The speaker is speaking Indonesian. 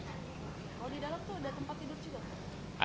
kalau di dalam tuh ada tempat tidur juga